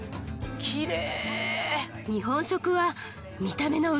きれい！